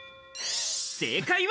正解は。